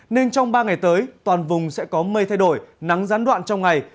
nên trong ba ngày tới toàn vùng sẽ có mây thay đổi nắng gián đoạn trong ngày